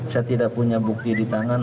saya tidak punya bukti di tangan